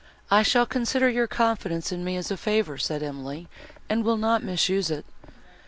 "I shall consider your confidence in me as a favour," said Emily, "and will not misuse it."